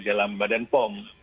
dalam badan pom